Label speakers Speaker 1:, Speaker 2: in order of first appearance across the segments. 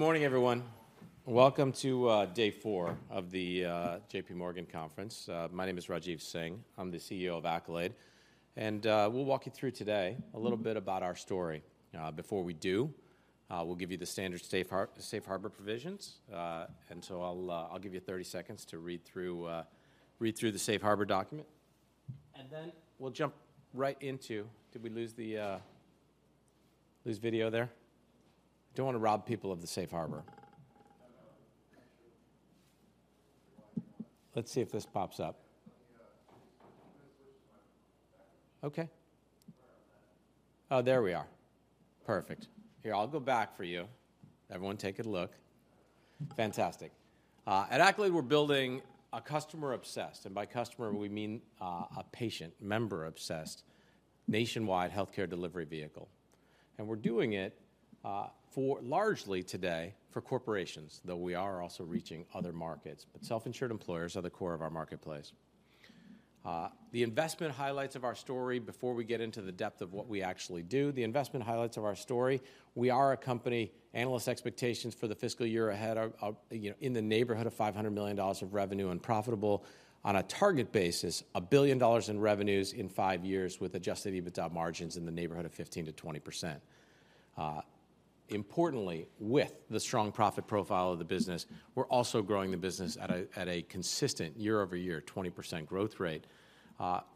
Speaker 1: Good morning, everyone. Welcome to day four of the J.P. Morgan conference. My name is Rajeev Singh. I'm the CEO of Accolade, and we'll walk you through today a little bit about our story. Before we do, we'll give you the standard safe harbor provisions. And so I'll give you 30 seconds to read through the safe harbor document, and then we'll jump right into... Did we lose the video there? Don't want to rob people of the safe harbor. No, actually. Let's see if this pops up. Yeah. Okay. Oh, there we are. Perfect. Here, I'll go back for you. Everyone, take a look. Fantastic. At Accolade, we're building a customer-obsessed, and by customer, we mean a patient member-obsessed, nationwide healthcare delivery vehicle. And we're doing it for largely today for corporations, though we are also reaching other markets, but self-insured employers are the core of our marketplace. The investment highlights of our story before we get into the depth of what we actually do, the investment highlights of our story, we are a company, analyst expectations for the fiscal year ahead are, you know, in the neighborhood of $500 million of revenue and profitable on a target basis, $1 billion in revenues in five years with Adjusted EBITDA margins in the neighborhood of 15%-20%. Importantly, with the strong profit profile of the business, we're also growing the business at a consistent year-over-year 20% growth rate.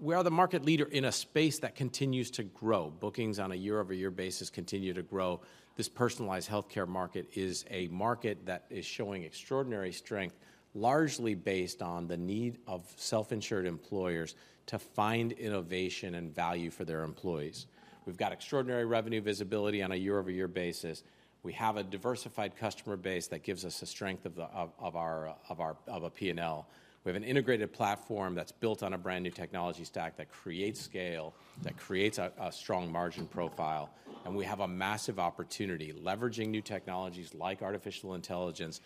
Speaker 1: We are the market leader in a space that continues to grow. Bookings on a year-over-year basis continue to grow. This personalized healthcare market is a market that is showing extraordinary strength, largely based on the need of self-insured employers to find innovation and value for their employees. We've got extraordinary revenue visibility on a year-over-year basis. We have a diversified customer base that gives us the strength of our P&L. We have an integrated platform that's built on a brand-new technology stack that creates scale, that creates a strong margin profile, and we have a massive opportunity, leveraging new technologies like artificial intelligence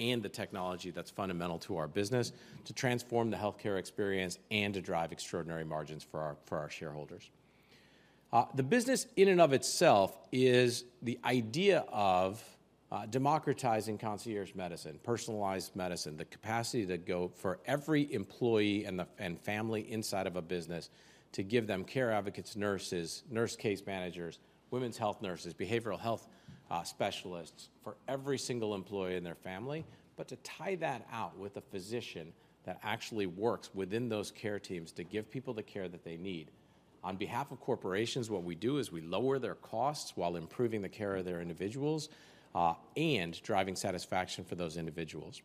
Speaker 1: and the technology that's fundamental to our business, to transform the healthcare experience and to drive extraordinary margins for our shareholders. The business in and of itself is the idea of democratizing concierge medicine, personalized medicine, the capacity to go for every employee and family inside of a business, to give them care advocates, nurses, nurse case managers, women's health nurses, behavioral health specialists for every single employee and their family, but to tie that out with a physician that actually works within those care teams to give people the care that they need. On behalf of corporations, what we do is we lower their costs while improving the care of their individuals, and driving satisfaction for those individuals.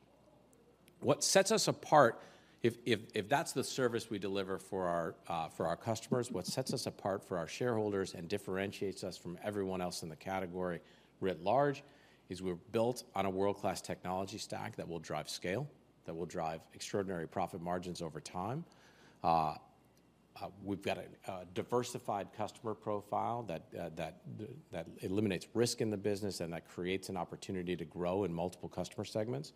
Speaker 1: What sets us apart, if that's the service we deliver for our customers, what sets us apart for our shareholders and differentiates us from everyone else in the category writ large, is we're built on a world-class technology stack that will drive scale, that will drive extraordinary profit margins over time. We've got a diversified customer profile that eliminates risk in the business and that creates an opportunity to grow in multiple customer segments.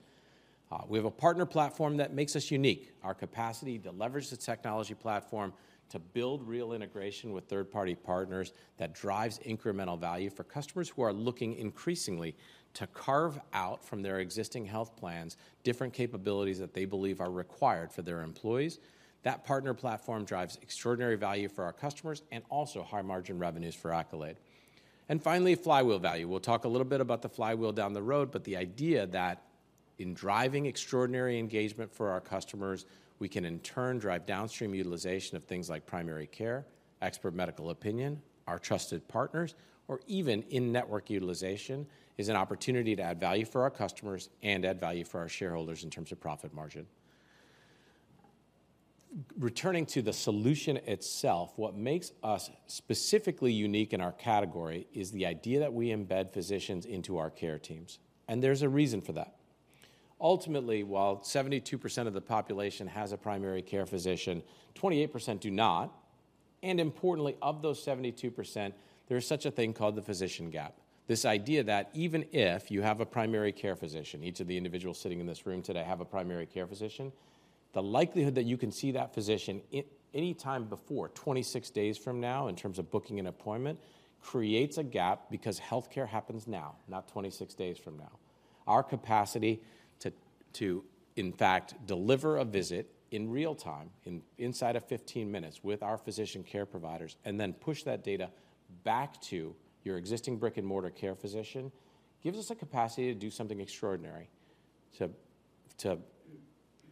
Speaker 1: We have a partner platform that makes us unique. Our capacity to leverage the technology platform, to build real integration with third-party partners that drives incremental value for customers who are looking increasingly to carve out from their existing health plans, different capabilities that they believe are required for their employees. That partner platform drives extraordinary value for our customers and also high-margin revenues for Accolade. Finally, flywheel value. We'll talk a little bit about the flywheel down the road, but the idea that in driving extraordinary engagement for our customers, we can in turn drive downstream utilization of things like primary care, expert medical opinion, our trusted partners, or even in-network utilization, is an opportunity to add value for our customers and add value for our shareholders in terms of profit margin. Returning to the solution itself, what makes us specifically unique in our category is the idea that we embed physicians into our care teams, and there's a reason for that. Ultimately, while 72% of the population has a primary care physician, 28% do not, and importantly, of those 72%, there is such a thing called the physician gap. This idea that even if you have a primary care physician, each of the individuals sitting in this room today have a primary care physician, the likelihood that you can see that physician any time before 26 days from now, in terms of booking an appointment, creates a gap because healthcare happens now, not 26 days from now. Our capacity to, in fact, deliver a visit in real time, inside of 15 minutes with our physician care providers, and then push that data back to your existing brick-and-mortar care physician, gives us a capacity to do something extraordinary, to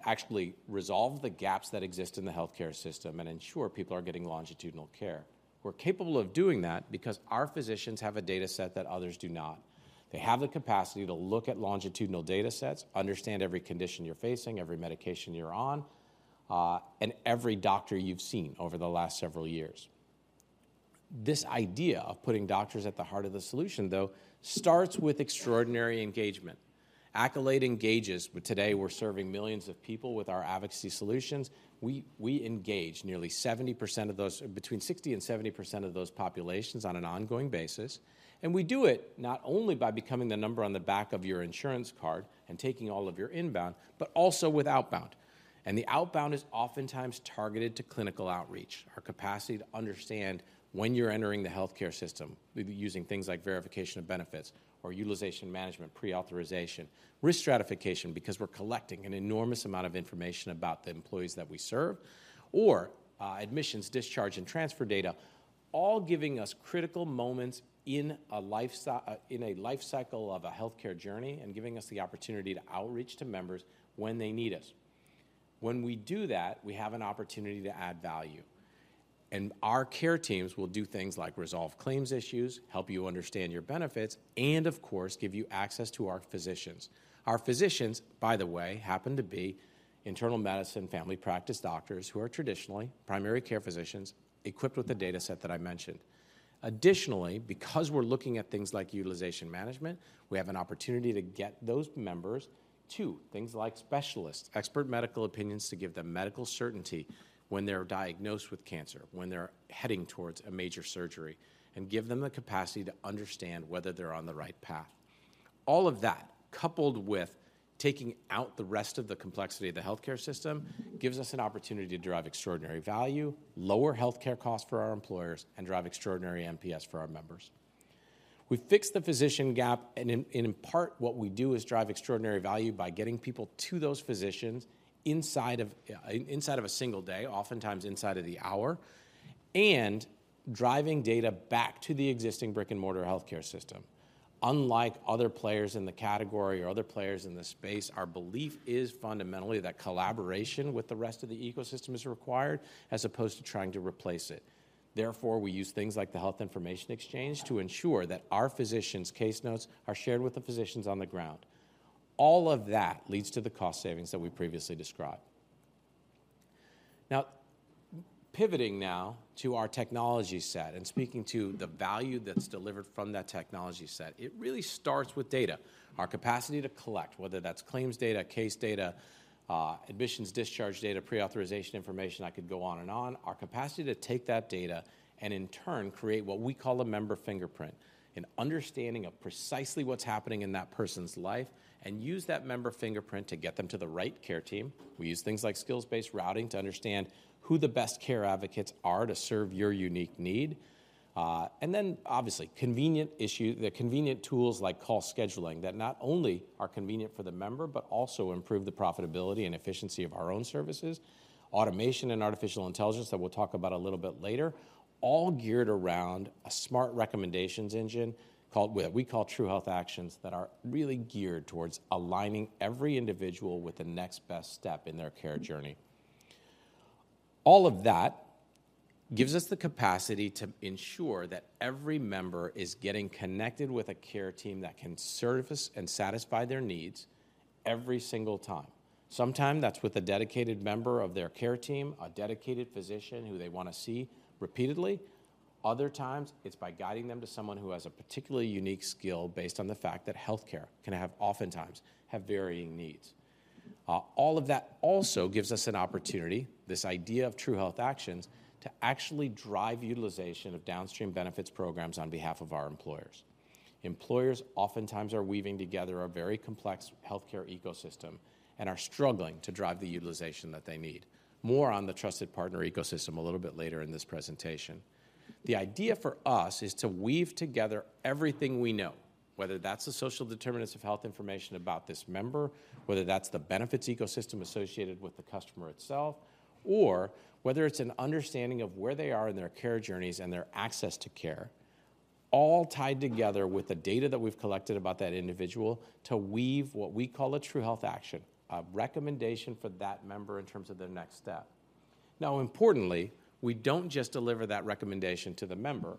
Speaker 1: actually resolve the gaps that exist in the healthcare system and ensure people are getting longitudinal care. We're capable of doing that because our physicians have a data set that others do not. They have the capacity to look at longitudinal data sets, understand every condition you're facing, every medication you're on, and every doctor you've seen over the last several years. This idea of putting doctors at the heart of the solution, though, starts with extraordinary engagement. Accolade engages, but today we're serving millions of people with our advocacy solutions. We, we engage nearly 70% of those, between 60% and 70% of those populations on an ongoing basis. And we do it not only by becoming the number on the back of your insurance card and taking all of your inbound, but also with outbound. And the outbound is oftentimes targeted to clinical outreach. Our capacity to understand when you're entering the healthcare system, maybe using things like verification of benefits or utilization management, pre-authorization, risk stratification, because we're collecting an enormous amount of information about the employees that we serve, or admissions, discharge, and transfer data, all giving us critical moments in a life cycle of a healthcare journey and giving us the opportunity to outreach to members when they need us. When we do that, we have an opportunity to add value, and our care teams will do things like resolve claims issues, help you understand your benefits, and of course, give you access to our physicians. Our physicians, by the way, happen to be internal medicine, family practice doctors who are traditionally primary care physicians, equipped with the data set that I mentioned. Additionally, because we're looking at things like utilization management, we have an opportunity to get those members to things like specialists, expert medical opinions to give them medical certainty when they're diagnosed with cancer, when they're heading towards a major surgery, and give them the capacity to understand whether they're on the right path. All of that, coupled with taking out the rest of the complexity of the healthcare system, gives us an opportunity to drive extraordinary value, lower healthcare costs for our employers, and drive extraordinary NPS for our members. We fix the physician gap, and in part, what we do is drive extraordinary value by getting people to those physicians inside of a single day, oftentimes inside of the hour, and driving data back to the existing brick-and-mortar healthcare system. Unlike other players in the category or other players in the space, our belief is fundamentally that collaboration with the rest of the ecosystem is required as opposed to trying to replace it. Therefore, we use things like the health information exchange to ensure that our physicians' case notes are shared with the physicians on the ground. All of that leads to the cost savings that we previously described. Now, pivoting now to our technology set and speaking to the value that's delivered from that technology set, it really starts with data. Our capacity to collect, whether that's claims data, case data, admissions, discharge data, pre-authorization information, I could go on and on. Our capacity to take that data and in turn create what we call a member fingerprint, an understanding of precisely what's happening in that person's life, and use that member fingerprint to get them to the right care team. We use things like skills-based routing to understand who the best care advocates are to serve your unique need. And then obviously, the convenient tools like call scheduling, that not only are convenient for the member, but also improve the profitability and efficiency of our own services, automation and artificial intelligence that we'll talk about a little bit later, all geared around a smart recommendations engine called we call True Health Actions, that are really geared towards aligning every individual with the next best step in their care journey. All of that gives us the capacity to ensure that every member is getting connected with a care team that can service and satisfy their needs every single time. Sometimes, that's with a dedicated member of their care team, a dedicated physician who they wanna see repeatedly. Other times, it's by guiding them to someone who has a particularly unique skill based on the fact that healthcare can have oftentimes varying needs. All of that also gives us an opportunity, this idea of True Health Actions, to actually drive utilization of downstream benefits programs on behalf of our employers. Employers oftentimes are weaving together a very complex healthcare ecosystem and are struggling to drive the utilization that they need. More on the trusted partner ecosystem a little bit later in this presentation. The idea for us is to weave together everything we know, whether that's the social determinants of health information about this member, whether that's the benefits ecosystem associated with the customer itself, or whether it's an understanding of where they are in their care journeys and their access to care, all tied together with the data that we've collected about that individual to weave what we call a True Health Action, a recommendation for that member in terms of their next step. Now, importantly, we don't just deliver that recommendation to the member.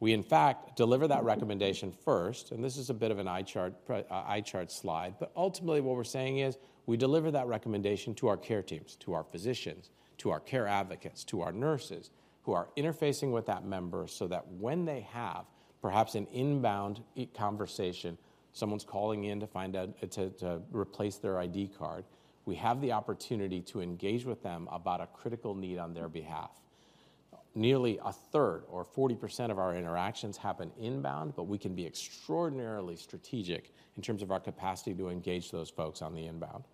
Speaker 1: We, in fact, deliver that recommendation first, and this is a bit of an eye chart slide, but ultimately, what we're saying is, we deliver that recommendation to our care teams, to our physicians, to our care advocates, to our nurses, who are interfacing with that member so that when they have perhaps an inbound conversation, someone's calling in to replace their ID card, we have the opportunity to engage with them about a critical need on their behalf. Nearly a third or 40% of our interactions happen inbound, but we can be extraordinarily strategic in terms of our capacity to engage those folks on the inbound.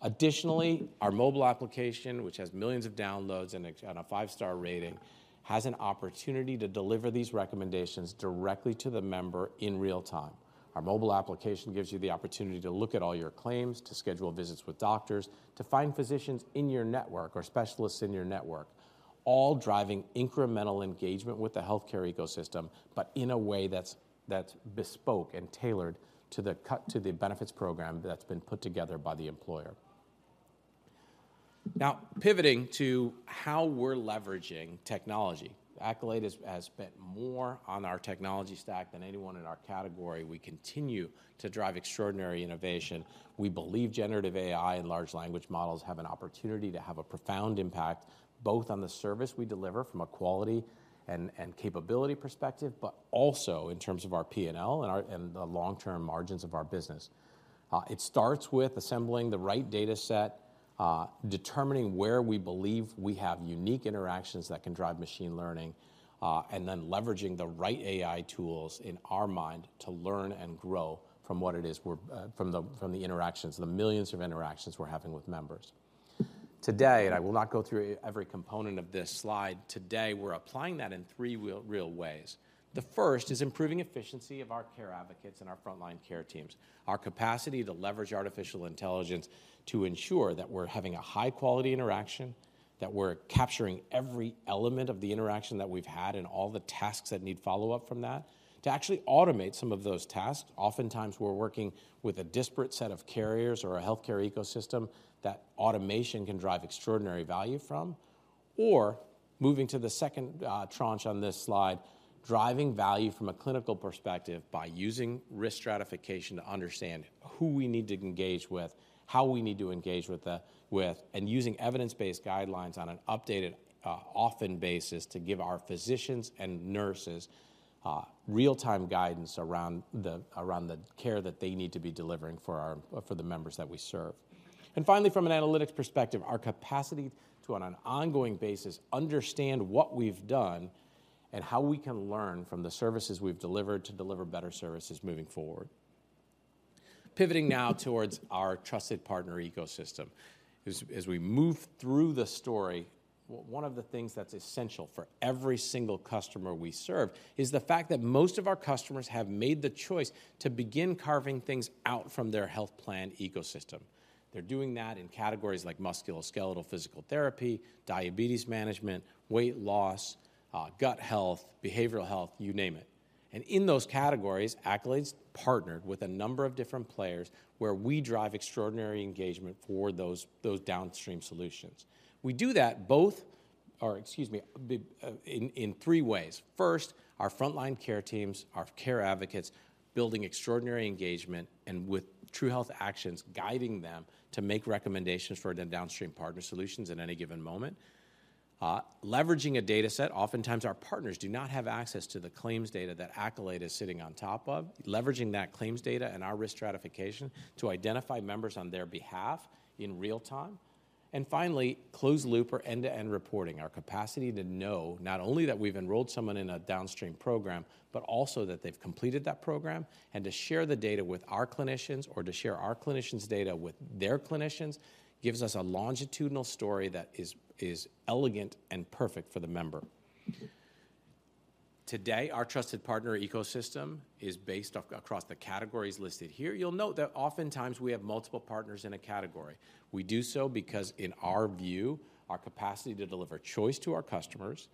Speaker 1: Additionally, our mobile application, which has millions of downloads and a 5-star rating, has an opportunity to deliver these recommendations directly to the member in real time. Our mobile application gives you the opportunity to look at all your claims, to schedule visits with doctors, to find physicians in your network or specialists in your network, all driving incremental engagement with the healthcare ecosystem, but in a way that's bespoke and tailored to the benefits program that's been put together by the employer. Now, pivoting to how we're leveraging technology. Accolade has spent more on our technology stack than anyone in our category. We continue to drive extraordinary innovation. We believe generative AI and large language models have an opportunity to have a profound impact, both on the service we deliver from a quality and capability perspective, but also in terms of our P&L and the long-term margins of our business. It starts with assembling the right data set. Determining where we believe we have unique interactions that can drive machine learning, and then leveraging the right AI tools in our mind to learn and grow from what it is we're, from the, from the interactions, the millions of interactions we're having with members. Today, I will not go through every component of this slide, today, we're applying that in three real, real ways. The first is improving efficiency of our care advocates and our frontline care teams. Our capacity to leverage artificial intelligence to ensure that we're having a high-quality interaction, that we're capturing every element of the interaction that we've had and all the tasks that need follow-up from that, to actually automate some of those tasks. Oftentimes, we're working with a disparate set of carriers or a healthcare ecosystem that automation can drive extraordinary value from, or moving to the second tranche on this slide, driving value from a clinical perspective by using risk stratification to understand who we need to engage with, how we need to engage with, and using evidence-based guidelines on an updated, often basis to give our physicians and nurses real-time guidance around the care that they need to be delivering for the members that we serve. And finally, from an analytics perspective, our capacity to, on an ongoing basis, understand what we've done and how we can learn from the services we've delivered to deliver better services moving forward. Pivoting now towards our trusted partner ecosystem. As we move through the story, one of the things that's essential for every single customer we serve is the fact that most of our customers have made the choice to begin carving things out from their health plan ecosystem. They're doing that in categories like musculoskeletal physical therapy, diabetes management, weight loss, gut health, behavioral health, you name it. And in those categories, Accolade's partnered with a number of different players where we drive extraordinary engagement for those downstream solutions. We do that both. Or excuse me, in three ways. First, our frontline care teams, our care advocates, building extraordinary engagement and with True Health Actions, guiding them to make recommendations for the downstream partner solutions at any given moment. Leveraging a data set, oftentimes, our partners do not have access to the claims data that Accolade is sitting on top of, leveraging that claims data and our Risk Stratification to identify members on their behalf in real time. Finally, closed loop or end-to-end reporting, our capacity to know not only that we've enrolled someone in a downstream program, but also that they've completed that program, and to share the data with our clinicians, or to share our clinicians' data with their clinicians, gives us a longitudinal story that is elegant and perfect for the member. Today, our trusted partner ecosystem is based across the categories listed here. You'll note that oftentimes we have multiple partners in a category. We do so because, in our view, our capacity to deliver choice to our customers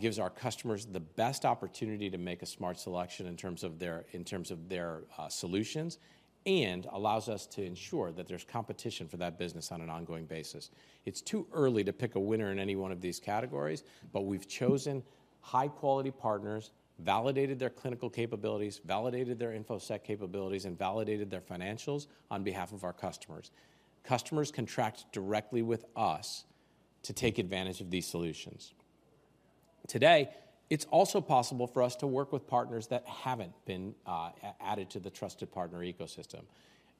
Speaker 1: gives our customers the best opportunity to make a smart selection in terms of their solutions, and allows us to ensure that there's competition for that business on an ongoing basis. It's too early to pick a winner in any one of these categories, but we've chosen high-quality partners, validated their clinical capabilities, validated their InfoSec capabilities, and validated their financials on behalf of our customers. Customers contract directly with us to take advantage of these solutions. Today, it's also possible for us to work with partners that haven't been added to the trusted partner ecosystem.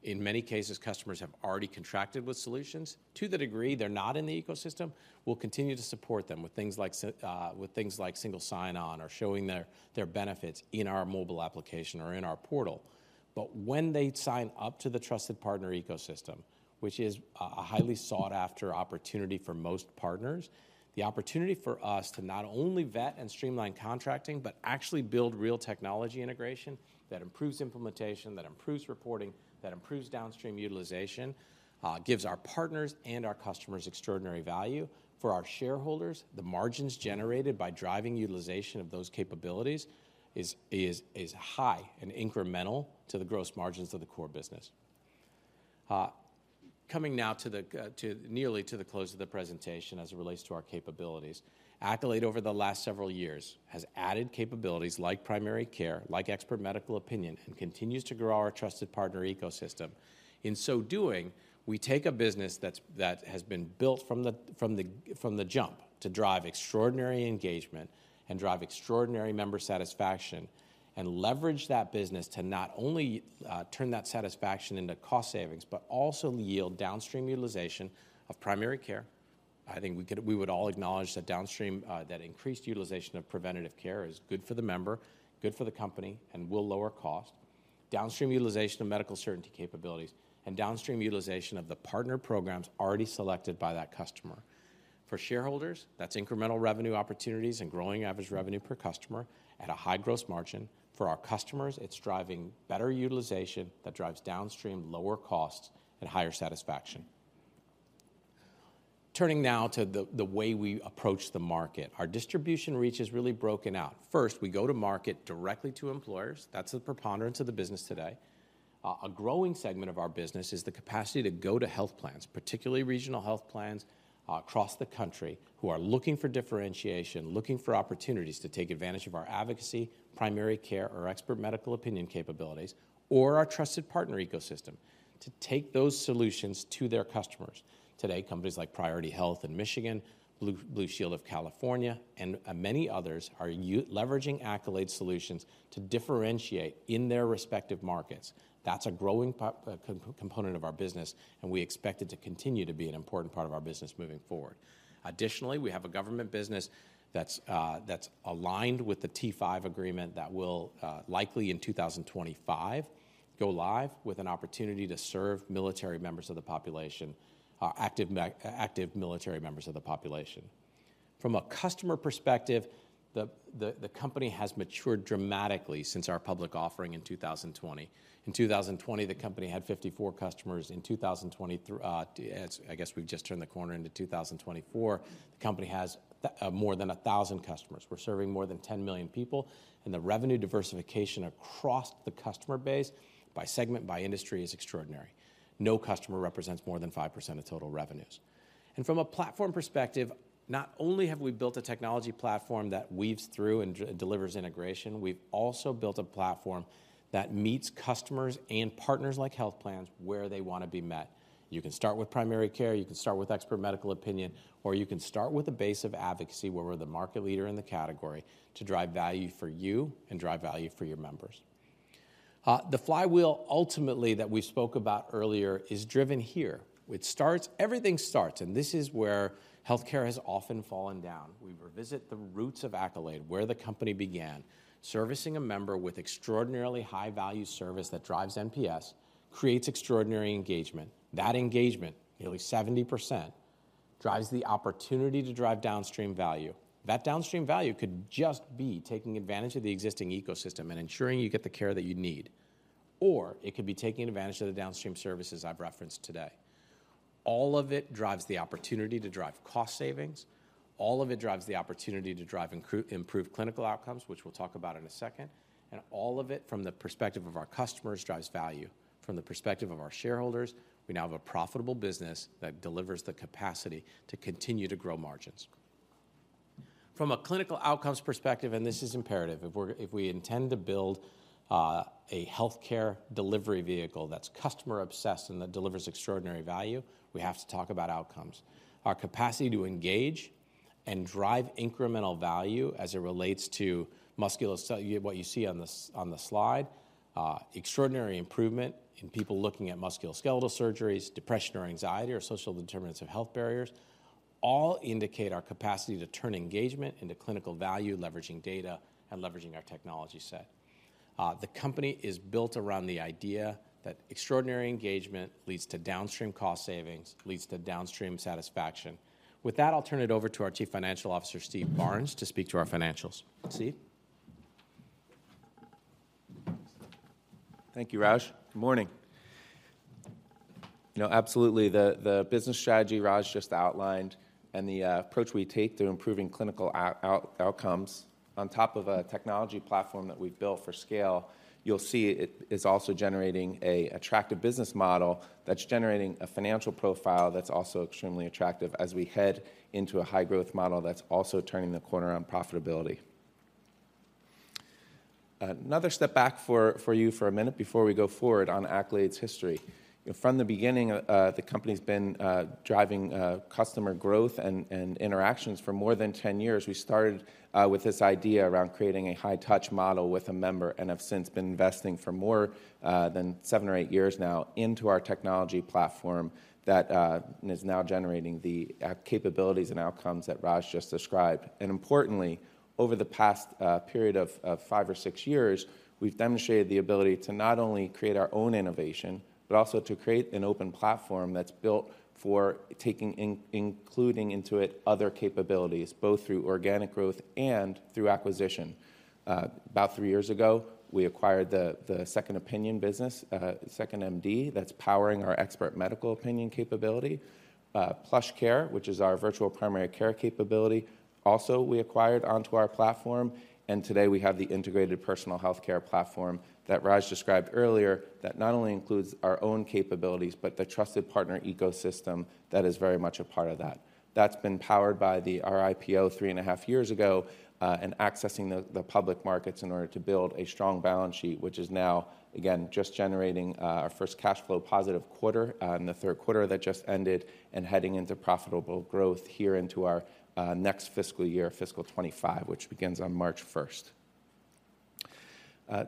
Speaker 1: In many cases, customers have already contracted with solutions. To the degree they're not in the ecosystem, we'll continue to support them with things like single sign-on or showing their benefits in our mobile application or in our portal. But when they sign up to the trusted partner ecosystem, which is a highly sought-after opportunity for most partners, the opportunity for us to not only vet and streamline contracting, but actually build real technology integration that improves implementation, that improves reporting, that improves downstream utilization, gives our partners and our customers extraordinary value. For our shareholders, the margins generated by driving utilization of those capabilities is high and incremental to the gross margins of the core business. Coming now to nearly the close of the presentation as it relates to our capabilities. Accolade, over the last several years, has added capabilities like primary care, like expert medical opinion, and continues to grow our trusted partner ecosystem. In so doing, we take a business that's that has been built from the jump to drive extraordinary engagement and drive extraordinary member satisfaction, and leverage that business to not only turn that satisfaction into cost savings, but also yield downstream utilization of primary care. I think we would all acknowledge that downstream that increased utilization of preventative care is good for the member, good for the company, and will lower cost, downstream utilization of medical certainty capabilities, and downstream utilization of the partner programs already selected by that customer. For shareholders, that's incremental revenue opportunities and growing average revenue per customer at a high gross margin. For our customers, it's driving better utilization that drives downstream lower costs and higher satisfaction. Turning now to the way we approach the market. Our distribution reach is really broken out. First, we go to market directly to employers. That's the preponderance of the business today. A growing segment of our business is the capacity to go to health plans, particularly regional health plans, across the country, who are looking for differentiation, looking for opportunities to take advantage of our advocacy, primary care, or expert medical opinion capabilities, or our trusted partner ecosystem, to take those solutions to their customers. Today, companies like Priority Health in Michigan, Blue Shield of California, and many others are leveraging Accolade solutions to differentiate in their respective markets. That's a growing component of our business, and we expect it to continue to be an important part of our business moving forward. Additionally, we have a government business that's aligned with the T5 Agreement that will likely in 2025 go live with an opportunity to serve military members of the population, active military members of the population. From a customer perspective, the company has matured dramatically since our public offering in 2020. In 2020, the company had 54 customers. In 2023, it's, I guess we've just turned the corner into 2024, the company has more than 1,000 customers. We're serving more than 10 million people, and the revenue diversification across the customer base by segment, by industry, is extraordinary. No customer represents more than 5% of total revenues. And from a platform perspective, not only have we built a technology platform that weaves through and delivers integration, we've also built a platform that meets customers and partners like health plans where they want to be met. You can start with primary care, you can start with expert medical opinion, or you can start with a base of advocacy, where we're the market leader in the category, to drive value for you and drive value for your members. The flywheel ultimately that we spoke about earlier is driven here. It starts... Everything starts, and this is where healthcare has often fallen down. We revisit the roots of Accolade, where the company began, servicing a member with extraordinarily high-value service that drives NPS, creates extraordinary engagement. That engagement, nearly 70%, drives the opportunity to drive downstream value. That downstream value could just be taking advantage of the existing ecosystem and ensuring you get the care that you need, or it could be taking advantage of the downstream services I've referenced today. All of it drives the opportunity to drive cost savings. All of it drives the opportunity to drive improved clinical outcomes, which we'll talk about in a second. And all of it, from the perspective of our customers, drives value. From the perspective of our shareholders, we now have a profitable business that delivers the capacity to continue to grow margins. From a clinical outcomes perspective, and this is imperative, if we intend to build a healthcare delivery vehicle that's customer-obsessed and that delivers extraordinary value, we have to talk about outcomes. Our capacity to engage and drive incremental value as it relates to musculoskeletal—you, what you see on the slide, extraordinary improvement in people looking at musculoskeletal surgeries, depression or anxiety, or social determinants of health barriers, all indicate our capacity to turn engagement into clinical value, leveraging data and leveraging our technology set. The company is built around the idea that extraordinary engagement leads to downstream cost savings, leads to downstream satisfaction. With that, I'll turn it over to our Chief Financial Officer, Steve Barnes, to speak to our financials. Steve?
Speaker 2: Thank you, Raj. Good morning. You know, absolutely, the business strategy Raj just outlined and the approach we take to improving clinical outcomes on top of a technology platform that we've built for scale, you'll see it is also generating an attractive business model that's generating a financial profile that's also extremely attractive as we head into a high-growth model that's also turning the corner on profitability. Another step back for you for a minute before we go forward on Accolade's history. From the beginning, the company's been driving customer growth and interactions for more than 10 years. We started with this idea around creating a high-touch model with a member and have since been investing for more than 7 or 8 years now into our technology platform that is now generating the capabilities and outcomes that Raj just described. And importantly, over the past period of 5 or 6 years, we've demonstrated the ability to not only create our own innovation, but also to create an open platform that's built for including into it other capabilities, both through organic growth and through acquisition. About three years ago, we acquired the second opinion business, 2nd.MD, that's powering our expert medical opinion capability. PlushCare, which is our virtual primary care capability, also we acquired onto our platform, and today we have the integrated personal healthcare platform that Raj described earlier, that not only includes our own capabilities, but the trusted partner ecosystem that is very much a part of that. That's been powered by our IPO 3.5 years ago, and accessing the public markets in order to build a strong balance sheet, which is now, again, just generating our first cash flow positive quarter in the third quarter that just ended, and heading into profitable growth here into our next fiscal year, fiscal 25, which begins on March 1st.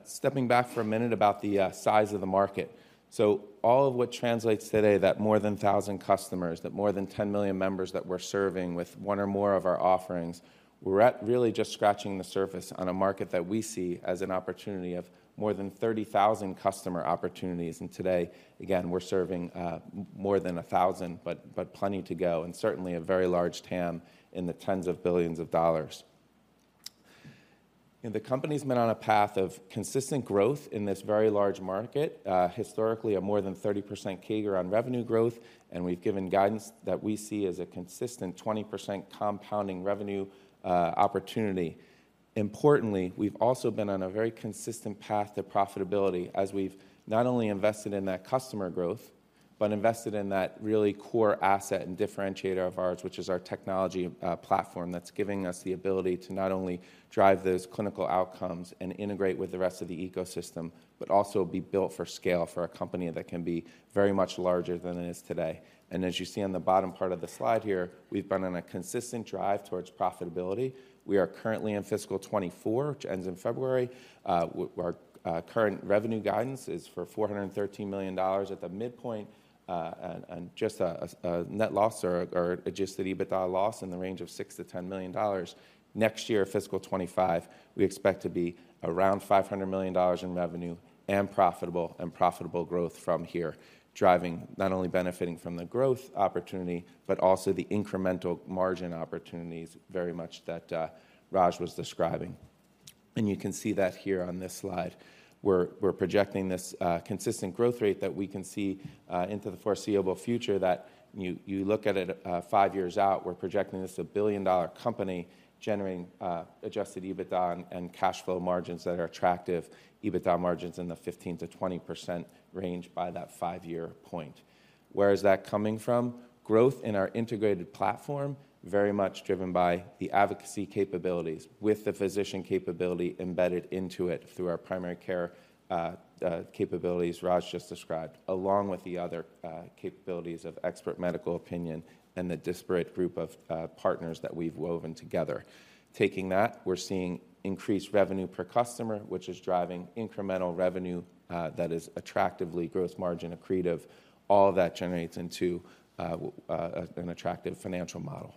Speaker 2: Stepping back for a minute about the size of the market. All of what translates today, that more than 1,000 customers, that more than 10 million members that we're serving with one or more of our offerings, we're really just scratching the surface on a market that we see as an opportunity of more than 30,000 customer opportunities. Today, again, we're serving more than 1,000, but, but plenty to go, and certainly a very large TAM in the tens of $ billions. The company's been on a path of consistent growth in this very large market, historically, a more than 30% CAGR on revenue growth, and we've given guidance that we see as a consistent 20% compounding revenue opportunity. Importantly, we've also been on a very consistent path to profitability as we've not only invested in that customer growth, but invested in that really core asset and differentiator of ours, which is our technology platform, that's giving us the ability to not only drive those clinical outcomes and integrate with the rest of the ecosystem, but also be built for scale for a company that can be very much larger than it is today. And as you see on the bottom part of the slide here, we've been on a consistent drive towards profitability. We are currently in fiscal 2024, which ends in February. Our current revenue guidance is for $413 million at the midpoint, and just a net loss or Adjusted EBITDA loss in the range of $6 million-$10 million. Next year, fiscal 2025, we expect to be around $500 million in revenue and profitable, and profitable growth from here, driving not only benefiting from the growth opportunity, but also the incremental margin opportunities very much that Raj was describing. You can see that here on this slide. We're projecting this consistent growth rate that we can see into the foreseeable future, that you look at it five years out, we're projecting this a billion-dollar company generating adjusted EBITDA and cash flow margins that are attractive, EBITDA margins in the 15%-20% range by that five-year point. Where is that coming from? Growth in our integrated platform, very much driven by the advocacy capabilities, with the physician capability embedded into it through our primary care capabilities Raj just described, along with the other capabilities of expert medical opinion and the disparate group of partners that we've woven together. Taking that, we're seeing increased revenue per customer, which is driving incremental revenue that is attractively gross margin accretive. All that generates into an attractive financial model.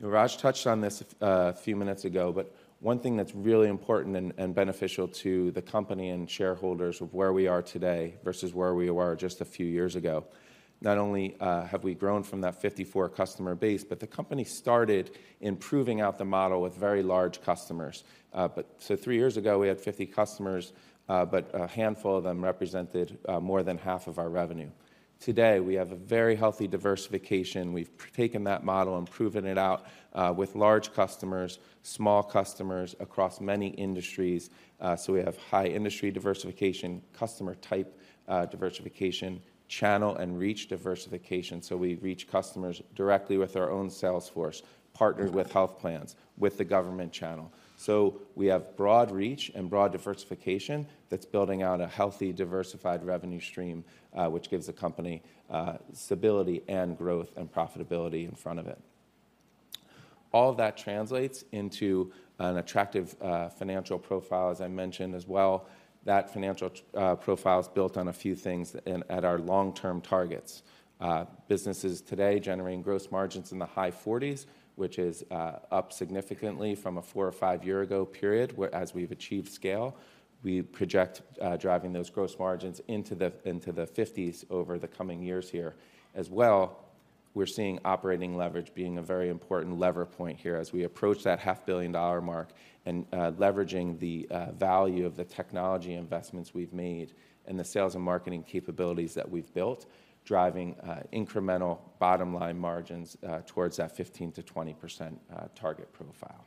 Speaker 2: Raj touched on this a few minutes ago, but one thing that's really important and beneficial to the company and shareholders of where we are today versus where we were just a few years ago, not only have we grown from that 54 customer base, but the company started in proving out the model with very large customers. So three years ago, we had 50 customers, but a handful of them represented more than half of our revenue. Today, we have a very healthy diversification. We've taken that model and proven it out with large customers, small customers, across many industries. So we have high industry diversification, customer type diversification, channel and reach diversification, so we reach customers directly with our own sales force, partnered with health plans, with the government channel. So we have broad reach and broad diversification that's building out a healthy, diversified revenue stream, which gives the company stability and growth and profitability in front of it. All of that translates into an attractive financial profile, as I mentioned as well. That financial profile is built on a few things and at our long-term targets. Businesses today generating gross margins in the high 40s, which is up significantly from a four or five year-ago period, whereas we've achieved scale, we project driving those gross margins into the 50s over the coming years here. As well, we're seeing operating leverage being a very important lever point here as we approach that $500 million mark, and leveraging the value of the technology investments we've made and the sales and marketing capabilities that we've built, driving incremental bottom-line margins towards that 15%-20% target profile.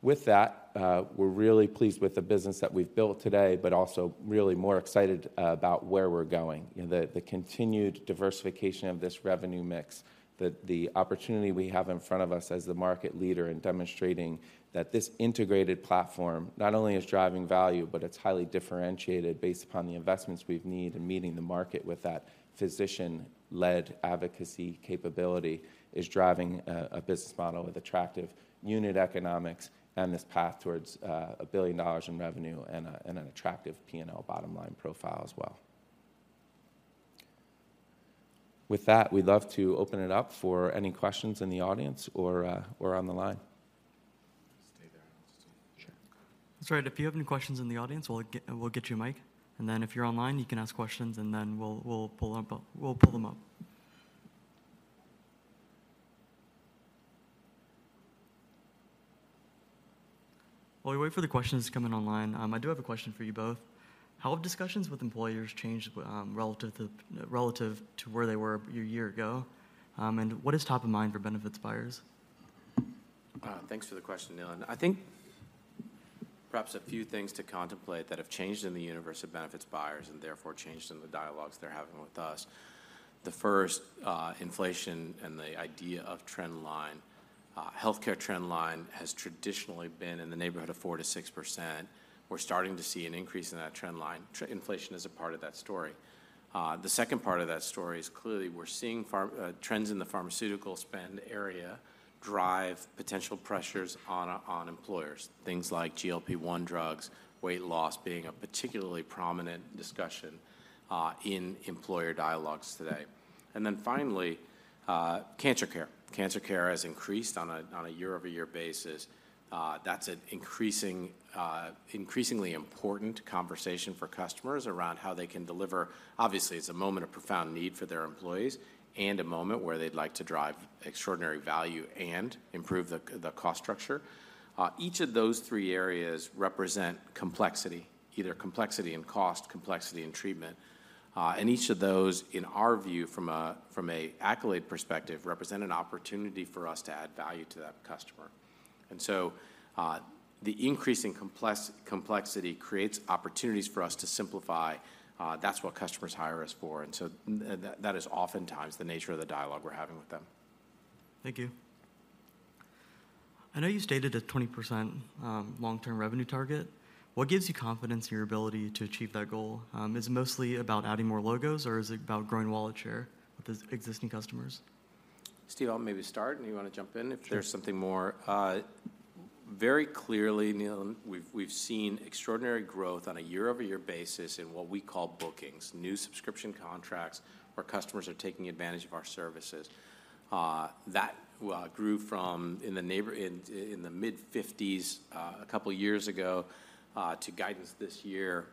Speaker 2: With that, we're really pleased with the business that we've built today, but also really more excited about where we're going. You know, the continued diversification of this revenue mix, the opportunity we have in front of us as the market leader in demonstrating that this integrated platform not only is driving value, but it's highly differentiated based upon the investments we've made in meeting the market with that physician-led advocacy capability, is driving a business model with attractive unit economics and this path towards $1 billion in revenue and an attractive P&L bottom-line profile as well. With that, we'd love to open it up for any questions in the audience or on the line.
Speaker 3: Stay there. Sure. That's right. If you have any questions in the audience, we'll get you a mic, and then if you're online, you can ask questions, and then we'll pull them up. While we wait for the questions to come in online, I do have a question for you both: How have discussions with employers changed relative to where they were a year ago? And what is top of mind for benefits buyers?
Speaker 2: Thanks for the question, Neil. I think perhaps a few things to contemplate that have changed in the universe of benefits buyers and therefore changed in the dialogues they're having with us. The first, inflation and the idea of trend line. Healthcare trend line has traditionally been in the neighborhood of 4%-6%. We're starting to see an increase in that trend line. Inflation is a part of that story. The second part of that story is clearly we're seeing pharmaceutical trends in the pharmaceutical spend area drive potential pressures on employers, things like GLP-1 drugs, weight loss being a particularly prominent discussion in employer dialogues today. Then finally, cancer care. Cancer care has increased on a year-over-year basis. That's an increasingly important conversation for customers around how they can deliver... Obviously, it's a moment of profound need for their employees and a moment where they'd like to drive extraordinary value and improve the cost structure. Each of those three areas represent complexity, either complexity in cost, complexity in treatment, and each of those, in our view, from an Accolade perspective, represent an opportunity for us to add value to that customer. And so, the increasing complexity creates opportunities for us to simplify. That's what customers hire us for, and so that is oftentimes the nature of the dialogue we're having with them.
Speaker 3: Thank you. I know you stated a 20% long-term revenue target. What gives you confidence in your ability to achieve that goal? Is it mostly about adding more logos, or is it about growing wallet share with existing customers?
Speaker 1: Steve, I'll maybe start, and you want to jump in if there's something more. Very clearly, Neil, we've seen extraordinary growth on a year-over-year basis in what we call bookings, new subscription contracts, where customers are taking advantage of our services. That grew from the mid-50s a couple years ago to guidance this year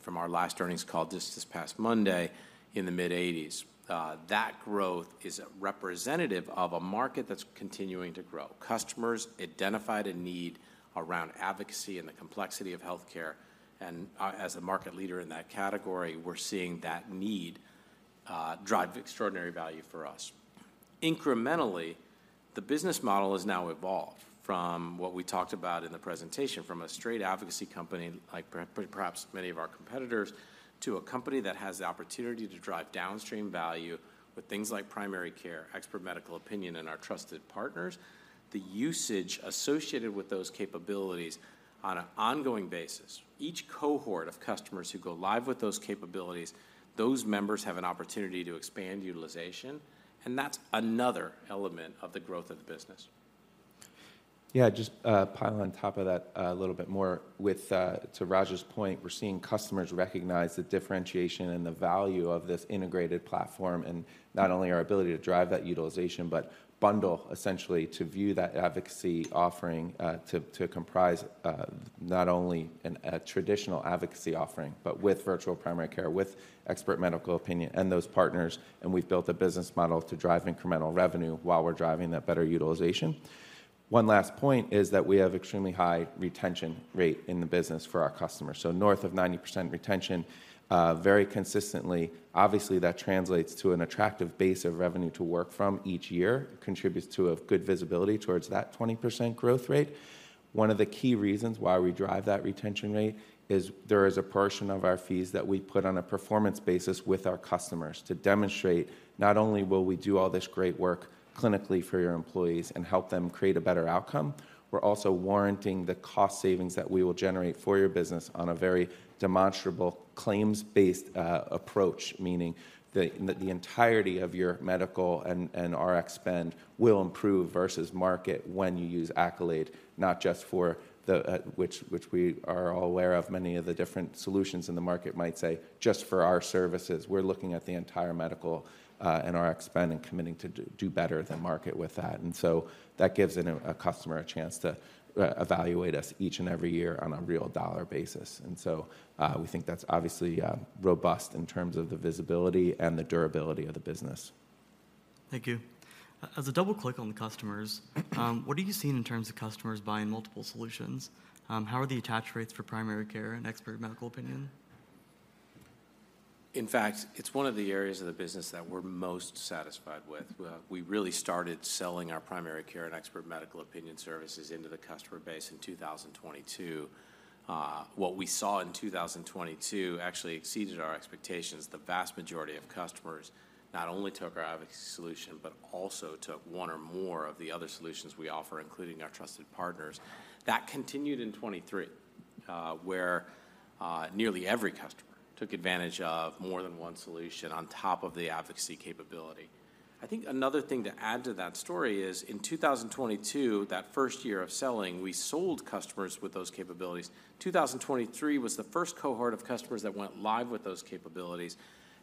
Speaker 1: from our last earnings call just this past Monday in the mid-80s. That growth is representative of a market that's continuing to grow. Customers identified a need around advocacy and the complexity of healthcare, and as a market leader in that category, we're seeing that need drive extraordinary value for us. Incrementally, the business model has now evolved from what we talked about in the presentation, from a straight advocacy company, like perhaps many of our competitors, to a company that has the opportunity to drive downstream value with things like primary care, expert medical opinion, and our trusted partners. The usage associated with those capabilities on an ongoing basis, each cohort of customers who go live with those capabilities, those members have an opportunity to expand utilization, and that's another element of the growth of the business.
Speaker 2: Yeah, just pile on top of that a little bit more with to Raj's point, we're seeing customers recognize the differentiation and the value of this integrated platform, and not only our ability to drive that utilization, but bundle essentially to view that advocacy offering to comprise not only a traditional advocacy offering, but with virtual primary care, with expert medical opinion and those partners. And we've built a business model to drive incremental revenue while we're driving that better utilization. One last point is that we have extremely high retention rate in the business for our customers, so north of 90% retention very consistently. Obviously, that translates to an attractive base of revenue to work from each year, contributes to a good visibility towards that 20% growth rate. One of the key reasons why we drive that retention rate is there is a portion of our fees that we put on a performance basis with our customers to demonstrate not only will we do all this great work clinically for your employees and help them create a better outcome, we're also warranting the cost savings that we will generate for your business on a very demonstrable, claims-based approach. Meaning, the entirety of your medical and Rx spend will improve versus market when you use Accolade, not just for the which we are all aware of, many of the different solutions in the market might say, "Just for our services." We're looking at the entire medical and Rx spend and committing to do better than market with that. And so that gives a customer a chance to evaluate us each and every year on a real dollar basis. And so, we think that's obviously robust in terms of the visibility and the durability of the business.
Speaker 3: Thank you. As a double click on the customers, what are you seeing in terms of customers buying multiple solutions? How are the attach rates for primary care and expert medical opinion?
Speaker 1: In fact, it's one of the areas of the business that we're most satisfied with. We really started selling our primary care and expert medical opinion services into the customer base in 2022. What we saw in 2022 actually exceeded our expectations. The vast majority of customers not only took our advocacy solution but also took one or more of the other solutions we offer, including our trusted partners. That continued in 2023, where nearly every customer took advantage of more than one solution on top of the advocacy capability. I think another thing to add to that story is, in 2022, that first year of selling, we sold customers with those capabilities. 2023 was the first cohort of customers that went live with those capabilities.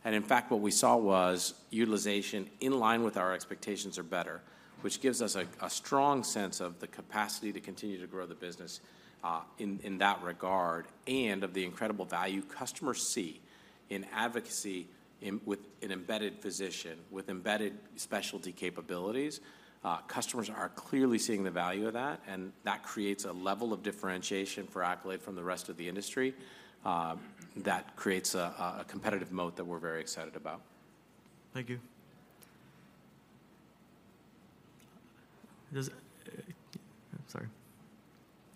Speaker 1: In fact, what we saw was utilization in line with our expectations or better, which gives us a strong sense of the capacity to continue to grow the business in that regard and of the incredible value customers see in advocacy with an embedded physician, with embedded specialty capabilities. Customers are clearly seeing the value of that, and that creates a level of differentiation for Accolade from the rest of the industry, that creates a competitive moat that we're very excited about.
Speaker 3: Thank you. Sorry.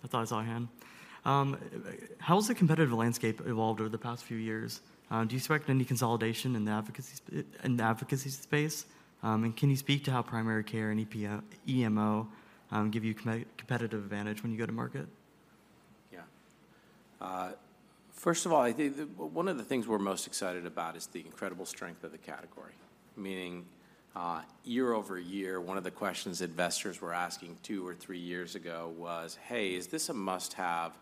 Speaker 3: I thought I saw a hand. How has the competitive landscape evolved over the past few years? Do you expect any consolidation in the advocacy space? And can you speak to how primary care and EMO give you competitive advantage when you go to market?
Speaker 1: Yeah. First of all, I think one of the things we're most excited about is the incredible strength of the category. Meaning, year over year, one of the questions investors were asking two or three years ago was: "Hey, is this a must-have,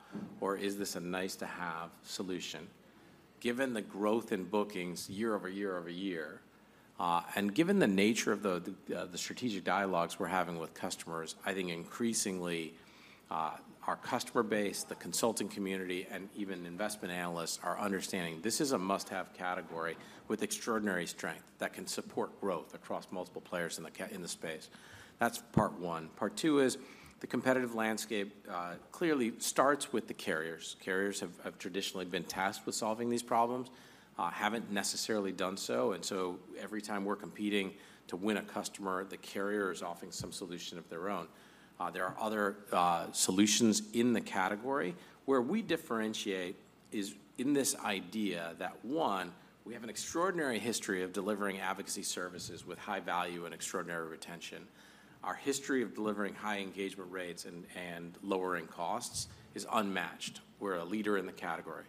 Speaker 1: or is this a nice-to-have solution?" Given the growth in bookings year over year over year, and given the nature of the strategic dialogues we're having with customers, I think increasingly, our customer base, the consulting community, and even investment analysts are understanding this is a must-have category with extraordinary strength that can support growth across multiple players in the ca- in the space. That's part one. Part two is the competitive landscape, clearly starts with the carriers. Carriers have traditionally been tasked with solving these problems, haven't necessarily done so, and so every time we're competing to win a customer, the carrier is offering some solution of their own. There are other solutions in the category. Where we differentiate is in this idea that, one, we have an extraordinary history of delivering advocacy services with high value and extraordinary retention. Our history of delivering high engagement rates and lowering costs is unmatched. We're a leader in the category...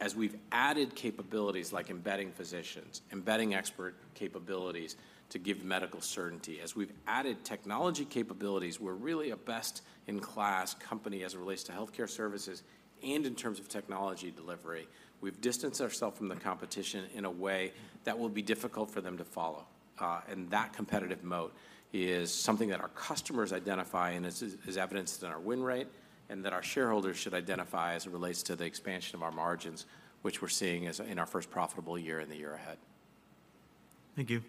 Speaker 1: as we've added capabilities like embedding physicians, embedding expert capabilities to give medical certainty, as we've added technology capabilities, we're really a best-in-class company as it relates to healthcare services and in terms of technology delivery. We've distanced ourselves from the competition in a way that will be difficult for them to follow. That competitive moat is something that our customers identify, and this is evidenced in our win rate, and that our shareholders should identify as it relates to the expansion of our margins, which we're seeing as in our first profitable year and the year ahead.
Speaker 3: Thank you.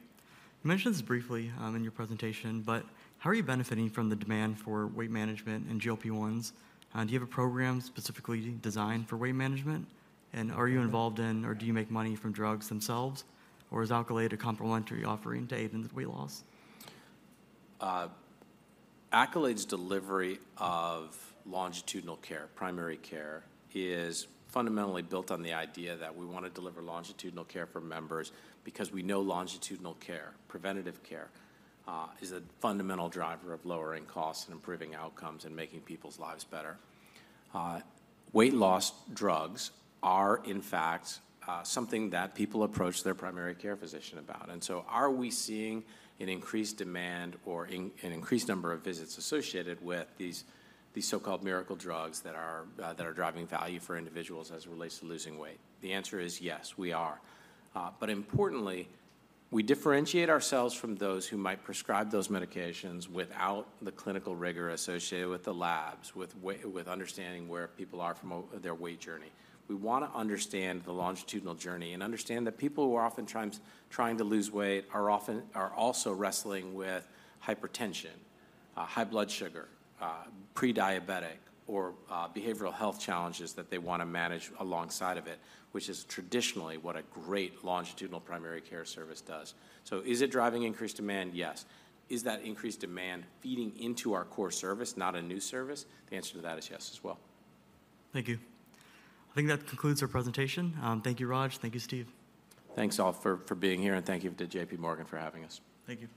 Speaker 3: You mentioned this briefly, in your presentation, but how are you benefiting from the demand for weight management and GLP-1s? Do you have a program specifically designed for weight management? And are you involved in or do you make money from drugs themselves, or is Accolade a complementary offering to aid in the weight loss?
Speaker 1: Accolade's delivery of longitudinal care, primary care, is fundamentally built on the idea that we want to deliver longitudinal care for members because we know longitudinal care, preventative care, is a fundamental driver of lowering costs and improving outcomes and making people's lives better. Weight loss drugs are, in fact, something that people approach their primary care physician about. And so are we seeing an increased demand or an increased number of visits associated with these, these so-called miracle drugs that are driving value for individuals as it relates to losing weight? The answer is yes, we are. But importantly, we differentiate ourselves from those who might prescribe those medications without the clinical rigor associated with the labs, with understanding where people are from their weight journey. We want to understand the longitudinal journey and understand that people who are oftentimes trying to lose weight are also wrestling with hypertension, high blood sugar, pre-diabetic or behavioral health challenges that they want to manage alongside of it, which is traditionally what a great longitudinal primary care service does. So is it driving increased demand? Yes. Is that increased demand feeding into our core service, not a new service? The answer to that is yes as well.
Speaker 3: Thank you. I think that concludes our presentation. Thank you, Raj. Thank you, Steve.
Speaker 1: Thanks, all, for being here, and thank you to J.P. Morgan for having us.
Speaker 3: Thank you.